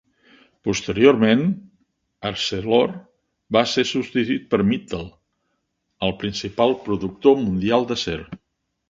Posteriorment, Arcelor va ser substituït per Mittal, el principal productor mundial d'acer.